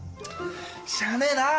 しゃあねえなぁ。